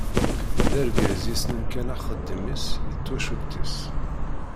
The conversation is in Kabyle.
D argaz yessnen kan axeddim-is d twacult-is.